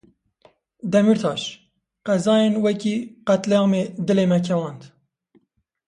Demirtaş; qezayên wekî qetlîamê dilê me kewand.